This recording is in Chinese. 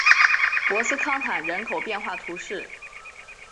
博斯康坦人口变化图示